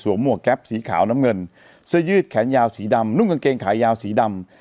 หมวกแก๊ปสีขาวน้ำเงินเสื้อยืดแขนยาวสีดำนุ่งกางเกงขายาวสีดำ